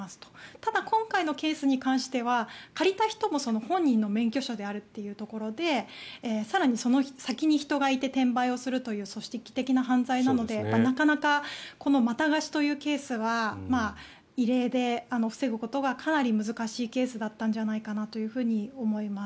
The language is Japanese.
ただ今回のケースに関しては借りた人も本人の免許証であるというところで更に、その先に人がいて転売をするという組織的な犯罪なのでなかなかまた貸しというケースは異例で、防ぐことはかなり難しいケースだったんじゃないかなと思います。